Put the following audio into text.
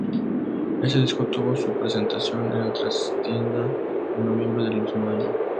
Este disco tuvo su presentación en La Trastienda, en noviembre del mismo año.